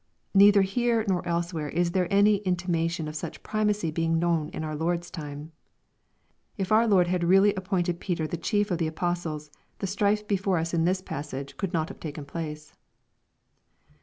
Neither here nor elsewhere is there any intima tion of such primacy being known in our Lord's times! If our Lord had really appointed Peter the chief of the apostles, the strife before us in this passage could not Kave taken place.